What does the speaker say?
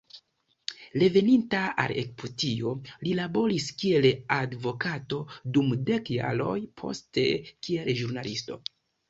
Reveninta al Egiptio, li laboris kiel advokato dum dek jaroj, poste kiel ĵurnalisto.